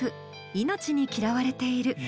「命に嫌われている。」。